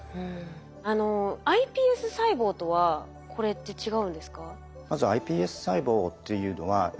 あのｉＰＳ細胞とはこれって違うんですか？